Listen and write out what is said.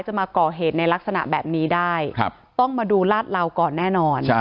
มาก่อเหตุในลักษณะแบบนี้ได้ต้องมาดูลาดเหลาก่อนแน่นอน